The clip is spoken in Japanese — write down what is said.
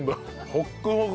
ホックホク。